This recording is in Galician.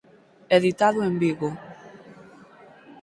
Editado en Vigo.